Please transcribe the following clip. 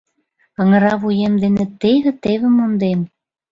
— Аҥыра вуем дене теве-теве мондем...